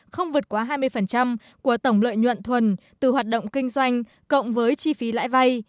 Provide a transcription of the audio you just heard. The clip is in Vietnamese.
không vượt quá hai mươi của tổng lợi nhuận thuần từ hoạt động kinh doanh cộng với chi phí lãi vay